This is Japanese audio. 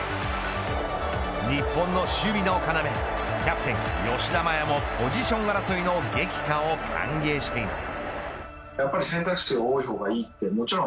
日本の守備のかなめキャプテン吉田麻也もポジション争いの激化を歓迎しています。